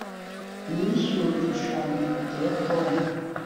nishyuwe gushushanya ifoto ya tom